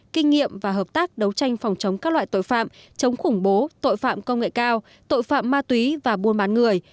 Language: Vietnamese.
kinh nghiệm và hợp tác đấu tranh phòng chống các loại tội phạm chống khủng bố tội phạm công nghệ cao tội phạm ma túy và buôn bán người